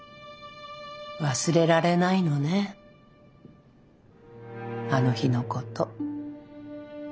忘れられないのねあの日のこと。